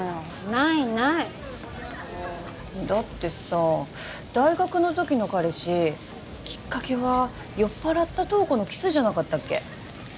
ないないだってさ大学の時の彼氏きっかけは酔っ払った瞳子のキスじゃなかったっけ？